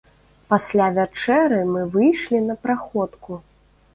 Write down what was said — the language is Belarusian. Пасля вячэры мы выйшлі на праходку.